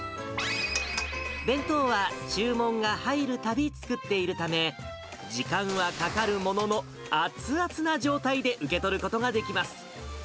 弁当は注文が入るたび作っているため、時間はかかるものの、熱々な状態で受け取ることができます。